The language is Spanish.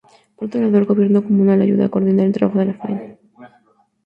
Por otro lado, el gobierno comunal ayuda a coordinar el trabajo de la faena.